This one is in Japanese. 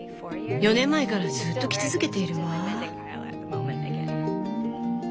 ４年前からずっと着続けているわ。